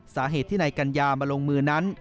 สาเหตุที่นายกัญญามาลงมือนั้น